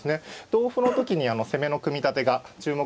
同歩の時に攻めの組み立てが注目ですね。